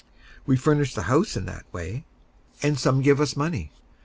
We've furnished the house in that way. And some give us money.